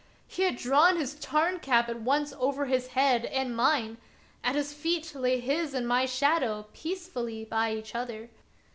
He had drawn his Tarn cap at once over his head and mine; at his feet lay his and my shadow peaceably by each other.